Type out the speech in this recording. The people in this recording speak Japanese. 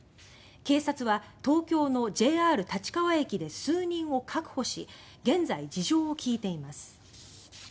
警察は東京のＪＲ立川駅で数人を確保し現在、事情を聞いています。